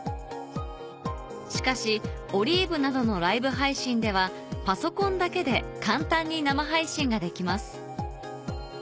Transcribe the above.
しかしＯＬＩＶＥなどのライブ配信ではパソコンだけで簡単に生配信ができます